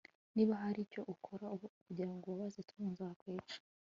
Niba hari icyo ukora kugirango ubabaza Tom nzakwica